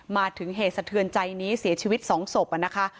มาถึงเหตุสะเทือนใจนี้เสียชีวิต๒ศพนะคะ